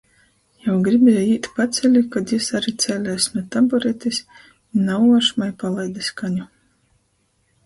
Jau gribieju īt paceli, kod jis ari cēlēs nu taburetis i nauošmai palaide skaņu.